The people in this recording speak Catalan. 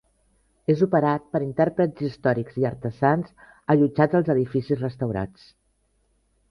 És operat per intèrprets històrics i artesans allotjats als edificis restaurats.